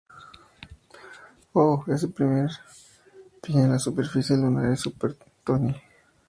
Oh, ese primer pie en la superficie lunar es super, Tony!